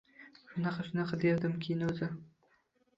Shunaqa-shunaqa devdim, keyin o`zi